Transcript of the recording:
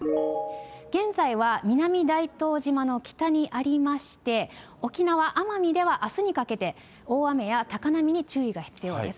現在は南大東島の北にありまして、沖縄・奄美では、あすにかけて、大雨や高波に注意が必要です。